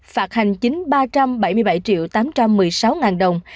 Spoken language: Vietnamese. phạt hành chính ba trăm bảy mươi bảy triệu tám trăm một mươi sáu ngàn đồng